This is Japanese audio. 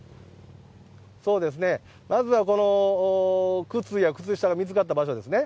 そうですね、まずは靴や靴下が見つかった場所ですね。